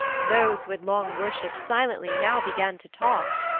Those who had long worshipped silently, now began to talk.